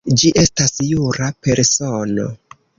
Ĝi estas jura persono.